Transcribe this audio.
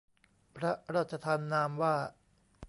พระราชทานนามว่า